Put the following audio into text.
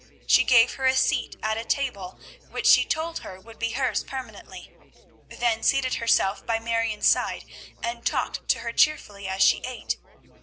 She gave her a seat at a table, which she told her would be hers permanently, then seated herself by Marion's side and talked to her cheerfully as she ate.